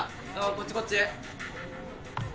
こっちこっち。